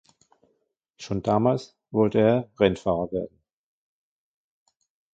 Schon damals wollte er Rennfahrer werden.